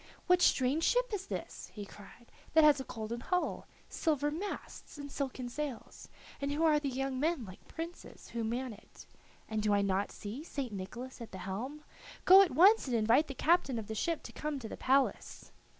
"What strange ship is this," he cried, "that has a golden hull, silver masts, and silken sails, and who are the young men like princes who man it? And do I not see St. Nicholas at the helm? Go at once and invite the captain of the ship to come to the palace."